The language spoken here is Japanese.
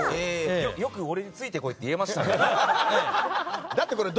よく俺について来いって言われましたね。